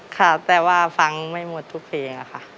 ค่ะแต่ว่าฟังไม่หมดทุกเพลงค่ะ